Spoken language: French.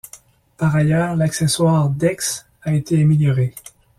Par ailleurs, l'accessoire DeX a été amélioré.